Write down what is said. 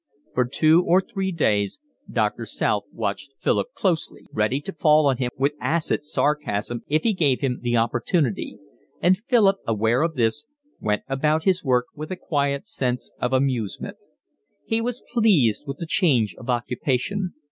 For two or three days Doctor South watched Philip closely, ready to fall on him with acid sarcasm if he gave him the opportunity; and Philip, aware of this, went about his work with a quiet sense of amusement. He was pleased with the change of occupation.